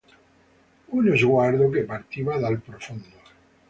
Uno sguardo che partiva dal profondo.